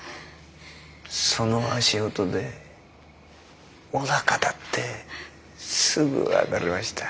その足音でおなかだってすぐ分かりました。